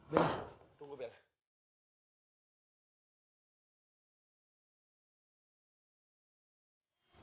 bella tunggu bella